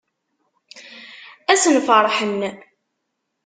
Ad asen-ferḥen.